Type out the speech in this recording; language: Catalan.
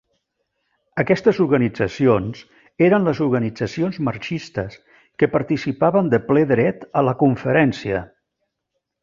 Aquestes organitzacions eren les organitzacions marxistes que participaven de ple dret a la Conferència.